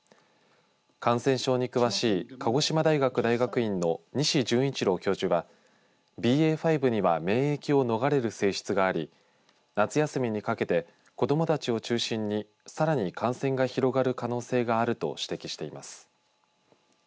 感染症に詳しい鹿児島大学大学院の西順一郎教授はＢＡ．５には免疫を逃れる性質があり夏休みにかけて子どもたちを中心にさらに感染が広がる可能性があると指摘しています。